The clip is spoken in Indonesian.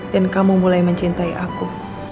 dan kamu mulai mencintai aku